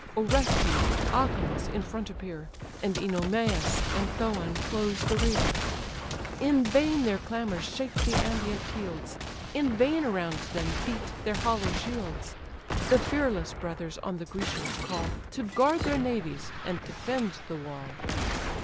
Orestes, Acamas, in front appear, And Œnomaus and Thoon close the rear: In vain their clamours shake the ambient fields, In vain around them beat their hollow shields; The fearless brothers on the Grecians call, To guard their navies, and defend the wall.